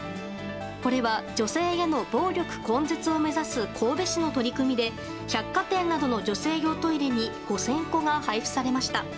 これは女性への暴力根絶を目指す神戸市の取り組みで百貨店などの女性用トイレに５０００個が配布されました。